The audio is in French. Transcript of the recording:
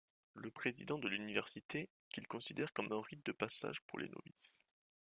Le président de l'université, qu'il considère comme un rite de passage pour les novices.